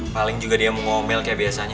paling juga dia mau ngomel kayak biasanya